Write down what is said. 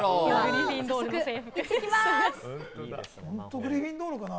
グリフィンドールの制服。